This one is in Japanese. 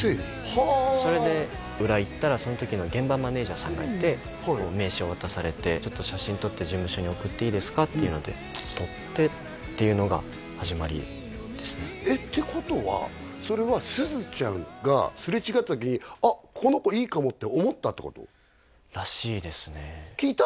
はあそれで裏行ったらその時の現場マネージャーさんがいて名刺を渡されて「ちょっと写真撮って」「事務所に送っていいですか？」っていうので撮ってっていうのが始まりですねえっ？ってことはそれはすずちゃんが擦れ違った時に「あっこの子いいかも」って思ったってこと？らしいですね聞いた？